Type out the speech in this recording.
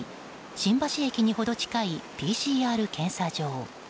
新橋駅にほど近いＰＣＲ検査場。